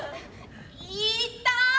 「いった！」。